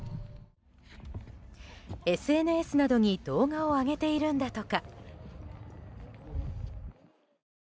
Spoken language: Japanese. ＳＮＳなどに動画を上げているんだとか。